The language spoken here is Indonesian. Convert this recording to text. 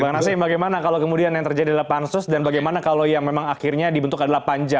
bang nasib bagaimana kalau kemudian yang terjadi adalah pansus dan bagaimana kalau yang memang akhirnya dibentuk adalah panja